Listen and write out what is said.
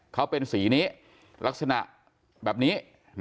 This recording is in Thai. เขาเป็นสีนี้ลักษณะแบบนี้